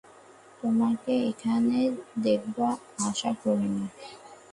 তোমাকে এখানে দেখব আশা করিনি।